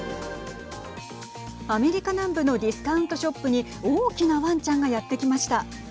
アメリカ南部のディスカウントショップに大きなワンちゃんがやって来ました。